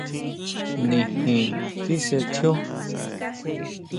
Nijin tesetjio.